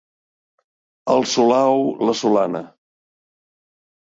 El solà ou la solana.